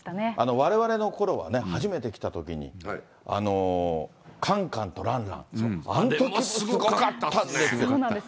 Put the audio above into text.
われわれのころはね、初めて来たときに、カンカンとランラン、あんときすごかったんですよ。